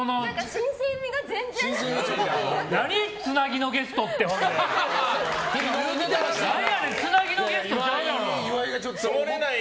新鮮味が全然ない。